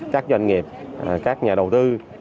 các doanh nghiệp các nhà đầu tư